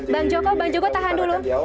bang joko bang joko tahan dulu